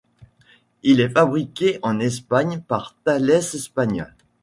Il est fabriqué en Espagne par Thales-Espagne.